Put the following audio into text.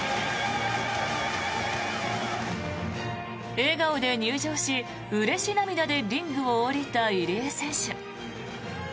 笑顔で入場し、うれし涙でリングを下りた入江選手。